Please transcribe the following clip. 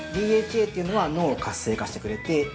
ＤＨＡというのは脳を活性化してくれる。